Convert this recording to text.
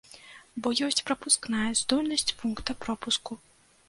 Бо ёсць прапускная здольнасць пункта пропуску.